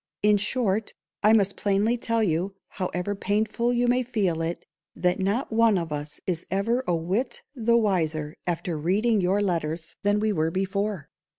_ "In short, I must plainly tell you, however painful you may feel it, that not one of us is ever a whit the wiser after reading your letters than we were before.